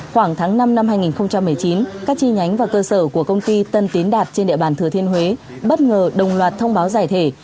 khoảng tháng năm năm hai nghìn một mươi chín các chi nhánh và cơ sở của công ty tân tiến đạt trên địa bàn thừa thiên huế bất ngờ đồng loạt thông báo giải thể